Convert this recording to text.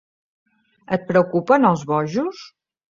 Et preocupen els bojos?